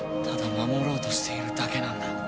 ただ守ろうとしているだけなんだ。